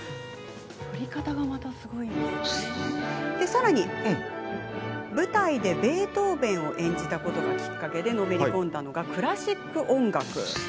さらに、舞台でベートーベンを演じたことがきっかけでのめり込んだのがクラシック音楽。